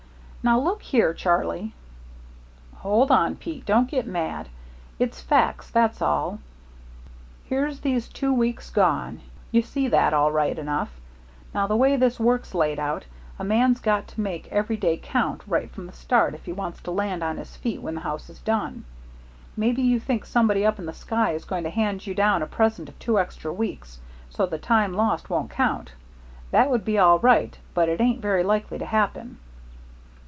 "Now, look here, Charlie " "Hold on, Pete. Don't get mad. It's facts, that's all. Here's these two weeks gone. You see that, all right enough. Now, the way this work's laid out, a man's got to make every day count right from the start if he wants to land on his feet when the house is done. Maybe you think somebody up in the sky is going to hand you down a present of two extra weeks so the lost time won't count. That would be all right, only it ain't very likely to happen."